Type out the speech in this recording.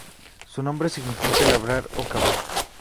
Su nombre significa labrar o cavar.